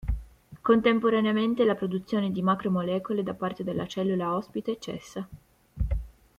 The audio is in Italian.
Contemporaneamente la produzione di macromolecole da parte della cellula ospite cessa.